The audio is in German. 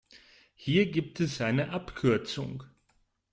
Hier gibt es eine Abkürzung.